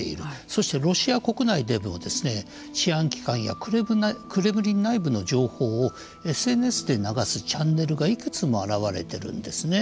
そして、ロシア国内でも治安機関やクレムリン内部の情報をＳＮＳで流すチャンネルがいくつも現れているんですね。